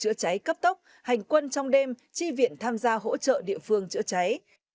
trước diễn biến phục vụ trợ cháy cấp tốc hành quân trong đêm chi viện tham gia hỗ trợ địa phương trợ cháy